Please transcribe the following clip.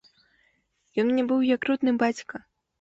Ён мне быў як родны бацька.